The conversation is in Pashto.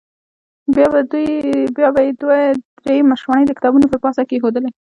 بیا به یې دوې درې مشواڼۍ د کتابونو پر پاسه کېښودلې.